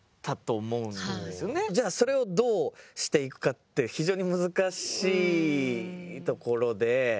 じゃあそれをどうしていくかって非常に難しいところで。